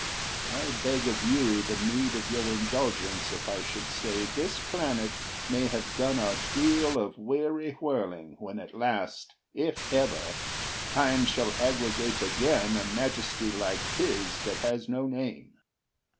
I'll beg of you the meed of your indulgence If I should say this planet may have done A deal of weary whirling when at last, If ever, Time shall aggregate again A majesty like his that has no name.